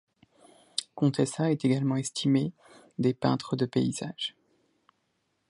Contessa est également estimé des peintres de paysage.